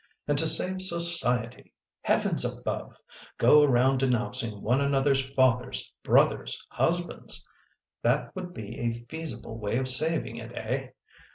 And to save Society! Heavens above! Go around denouncing one another s fathers, brothers, husbands! That would be a feasible way of saving it, eh